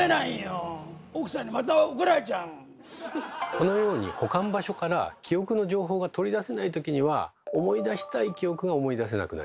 このように保管場所から記憶の情報が取り出せないときには思い出したい記憶が思い出せなくなります。